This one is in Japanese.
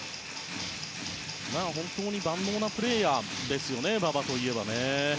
本当に万能なプレーヤーですね馬場といえば。